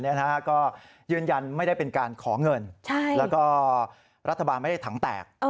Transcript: ก็ยืนยันไม่ได้เป็นการขอเงินแล้วก็รัฐบาลไม่ได้ถังแตก